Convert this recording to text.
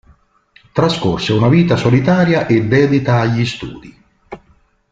Trascorse una vita solitaria e dedita agli studi.